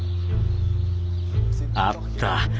あった！